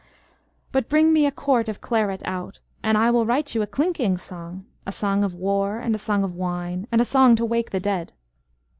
But bring me a quart of claret out, And I will write you a clinking song, A song of war and a song of wine And a song to wake the dead.